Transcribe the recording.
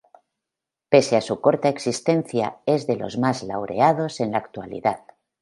Pese a su corta existencia es de los más laureados en la actualidad.